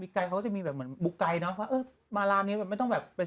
ไกลเขาก็จะมีแบบเหมือนบุ๊กไกลเนอะว่าเออมาร้านนี้แบบไม่ต้องแบบเป็น